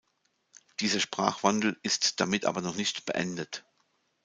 Dieser Sprachwandel ist damit aber noch nicht beendet.